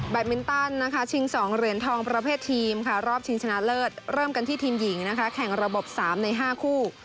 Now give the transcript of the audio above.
มินตันนะคะชิง๒เหรียญทองประเภททีมค่ะรอบชิงชนะเลิศเริ่มกันที่ทีมหญิงนะคะแข่งระบบ๓ใน๕คู่